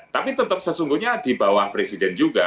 tapi tetap sesungguhnya di bawah presiden juga